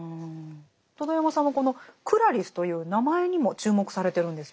戸田山さんはこの「クラリス」という名前にも注目されてるんですよね。